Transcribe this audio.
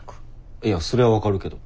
いやそれは分かるけど。